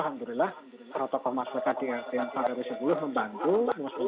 alhamdulillah para tokoh masyarakat di rtm satu ratus sepuluh membantu